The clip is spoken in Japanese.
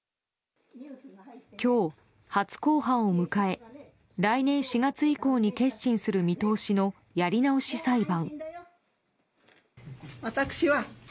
今日、初公判を迎え来年４月以降に結審する見通しのやり直し裁判。